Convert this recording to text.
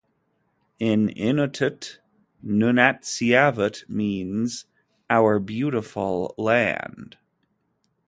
In Inuttut, Nunatsiavut means "Our Beautiful Land".